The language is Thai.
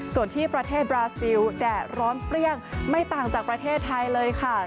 ส่วนที่ประเทศบราซิลแดดร้อนเปรี้ยงไม่ต่างจากประเทศไทยเลยค่ะ